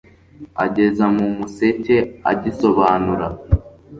ageza mu museke agisobanura